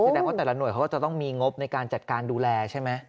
แสดงว่าแต่ละหน่วยเขาก็จะต้องมีงบในการจัดการดูแลใช่ไหม